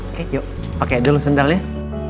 oke yuk pakai dulu sendalnya